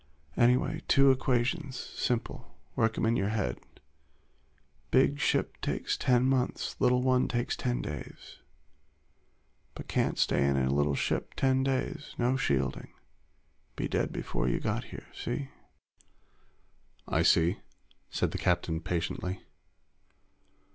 "Anyway. Two equations. Simple. Work 'em in your head. Big ship takes ten months, little one takes ten days. But can't stay in a little ship ten days. No shielding. Be dead before you got here. See?" "I see," said the captain patiently.